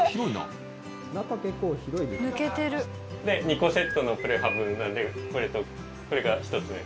２個セットのプレハブなんでこれとこれが１つ目。